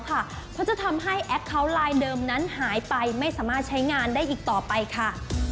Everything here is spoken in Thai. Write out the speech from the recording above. เพราะจะทำให้แอคเคาน์ไลน์เดิมนั้นหายไปไม่สามารถใช้งานได้อีกต่อไปค่ะ